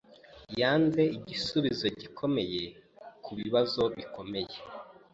Yazanye igisubizo gikomeye kubibazo bikomeye.